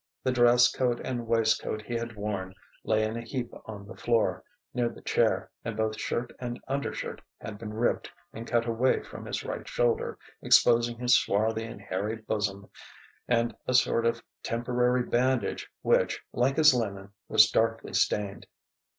The dress coat and waistcoat he had worn lay in a heap on the floor, near the chair, and both shirt and undershirt had been ripped and cut away from his right shoulder, exposing his swarthy and hairy bosom and a sort of temporary bandage which, like his linen, was darkly stained.